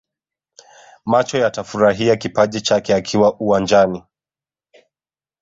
Macho yatafurahia kipaji chake akiwa uwanjani